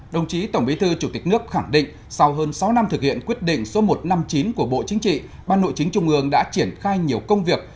đồng chí tổng bí thư chủ tịch nước khẳng định sau hơn sáu năm thực hiện quyết định số một trăm năm mươi chín của bộ chính trị ban nội chính trung ương đã triển khai nhiều công việc